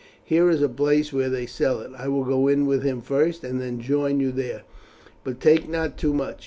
Here is a place where they sell it. I will go in with him first, and then join you there; but take not too much.